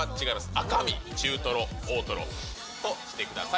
赤身、中トロ、大トロとしてください。